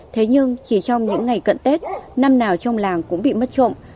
thế nhưng chỉ trong những ngày cận tết năm nào trong làng cũng bị mất trộm